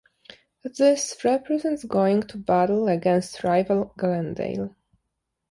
This represents going to battle against rival Glendale.